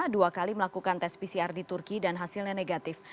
dua kali melakukan tes pcr di turki dan hasilnya negatif